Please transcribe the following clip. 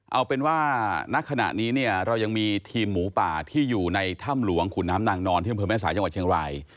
เอาเป็นว่าณขณะนี้เนี่ยเรายังมีทีมหมูป่าที่อยู่ในถ้ำหลวงขุนน้ำนางนอนที่อำเภอแม่สายจังหวัดเชียงราย